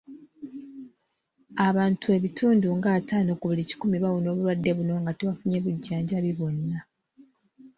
Abantu ebitundu nga ataano ku buli kikumi bawona obulwadde buno nga tebafunye bujjanjabi bwonna.